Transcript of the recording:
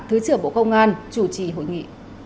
thứ trưởng bộ công an chủ trì hội nghị